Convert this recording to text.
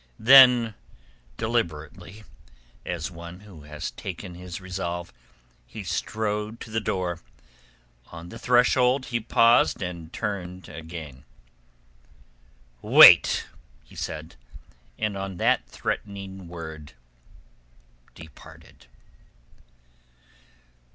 Then deliberately, as one who has taken his resolve, he strode to the door. On the threshold he paused and turned again. "Wait!" he said, and on that threatening word departed.